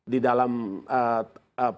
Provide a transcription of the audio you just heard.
di dalam pertemuan menerima